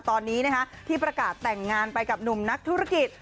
ตอนนี้ที่ประกาศแต่งงานไปกับหนุ่มนักธุรกิจ